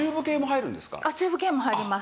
チューブ系も入ります。